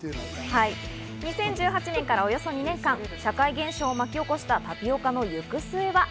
２０１８年からおよそ２年間、社会現象を巻き起こしたタピオカの行く末は。